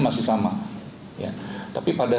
masih sama tapi pada